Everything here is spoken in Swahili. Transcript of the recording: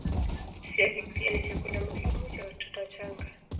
Siagi pia ni chakula muhimu cha watoto wachanga